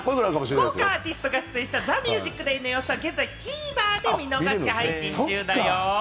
豪華アーティストが出演した『ＴＨＥＭＵＳＩＣＤＡＹ』の様子は現在ＴＶｅｒで見逃し配信中ですよ。